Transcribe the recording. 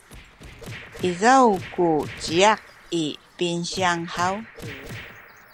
izaw ku ciyak i pinsiyang haw?